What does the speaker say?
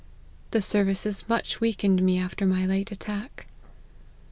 1 The services much weakened me after my late attack."